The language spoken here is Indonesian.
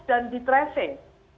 dan di tracing